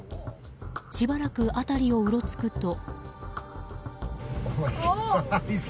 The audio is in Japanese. しばらく辺りをうろつくと。